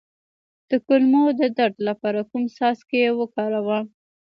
د کولمو د درد لپاره کوم څاڅکي وکاروم؟